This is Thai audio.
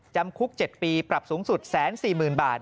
จำคุก๗ปีปรับสูงสุด๑๔๐๐๐บาท